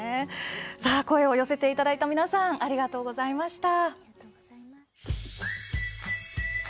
声を寄せていただいた皆さんありがとうございました。